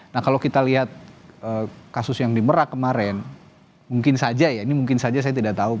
nah kalau kita lihat kasus yang di merak kemarin mungkin saja ya ini mungkin saja saya tidak tahu